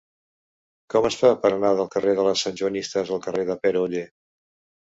Com es fa per anar del carrer de les Santjoanistes al carrer de Pere Oller?